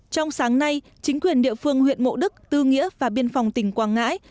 trong sáng nay chính quyền địa phương huyện mộ đức tư nghĩa và biên phòng tỉnh quảng ngãi